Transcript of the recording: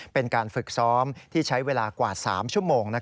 เป็นการฝึกซ้อมที่ใช้เวลากว่า๓ชั่วโมง